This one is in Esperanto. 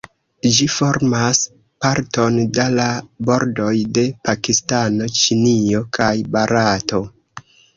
Ĝi formas parton da la bordoj de Pakistano, Ĉinio, kaj Barato.